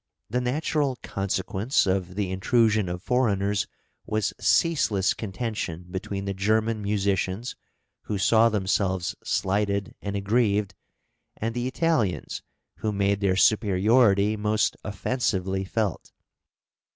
The natural consequence of the intrusion of foreigners was ceaseless contention between the German musicians, who saw themselves slighted and aggrieved, and the Italians, who made their superiority most offensively felt.